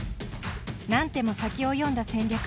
何手も先を読んだ戦略。